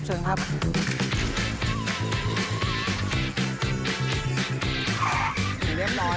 เป็นเรื่องร้อยครับ